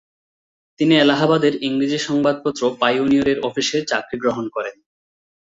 তিনি এলাহাবাদের ইংরেজি সংবাদপত্র "পাইওনিয়র"-এর অফিসে চাকরি গ্রহণ করেন।